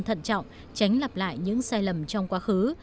thận trọng tránh lặp lại những sai lầm trong quá khứ